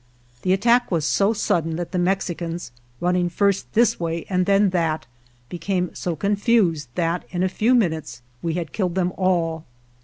The attack was so sudden that the Mexicans, running first this way and then that, became so confused that in a few min utes we had killed them all.